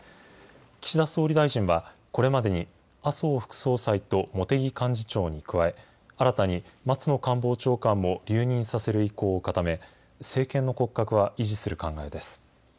岸田総理大臣は、これまでに麻生副総裁と茂木幹事長に加え、新たに松野官房長官も留任させる意向を固め、政権の骨格は維持する考えです。